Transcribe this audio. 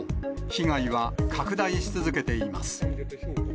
被害は拡大し続けています。